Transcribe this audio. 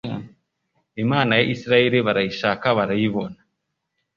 Imana ya Isirayeli barayishaka barayibona